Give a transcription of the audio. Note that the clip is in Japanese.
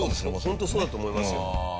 ホントそうだと思いますよ。